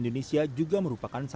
dan juga olimpiade